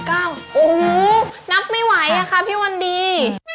โอ้โหนับไม่ไหวอะค่ะพี่วันดี